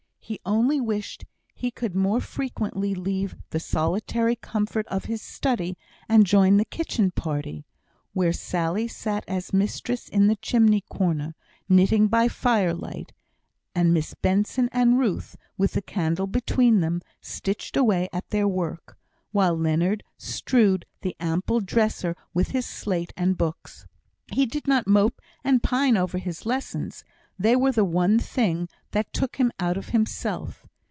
He only wished he could more frequently leave the solitary comfort of his study, and join the kitchen party, where Sally sat as mistress in the chimney corner, knitting by fire light, and Miss Benson and Ruth, with the candle between them, stitched away at their work; while Leonard strewed the ample dresser with his slate and books. He did not mope and pine over his lessons; they were the one thing that took him out of himself.